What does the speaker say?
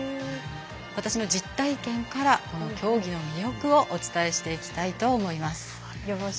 私の実体験から競技の魅力をお伝えしたいと思います。